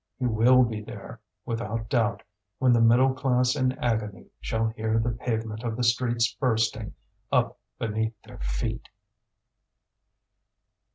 He will be there, without doubt, when the middle class in agony shall hear the pavement of the streets bursting up beneath their feet.